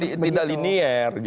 tapi kan tidak linier